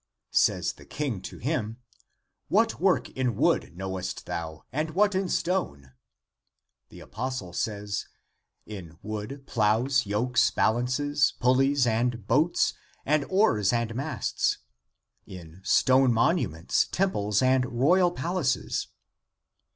Says the King to him, " What work in wood knowest thou, and what in stone." The apostle says, " In wood, plows, yokes, balances, ACTS OF THOMAS 239 pulleys, and boats, and oars and masts; in stone monuments, temples, and royal palaces."